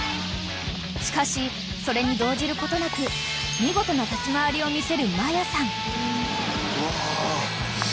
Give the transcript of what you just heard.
［しかしそれに動じることなく見事な立ち回りを見せる真矢さん］